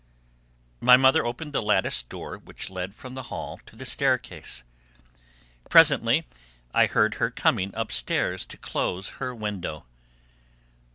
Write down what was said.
My mother opened the latticed door which led from the hall to the staircase. Presently I heard her coming upstairs to close her window.